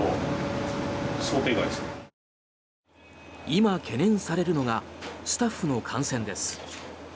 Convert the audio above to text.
今、懸念されるのがスタッフの感染です。